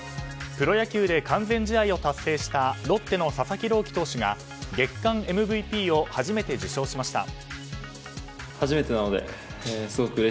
プロ野球で完全試合を達成したロッテの佐々木朗希投手が月間ＭＶＰを初めて受賞しました。